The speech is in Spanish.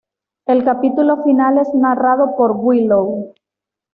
El capítulo final es narrado por Willow.